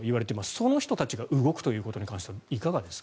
その人たちが動くということに関してはいかがですか？